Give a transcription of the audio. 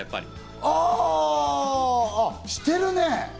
あ、してるね！